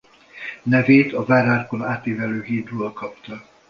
Nevét a várárkon átívelő hídról kapta.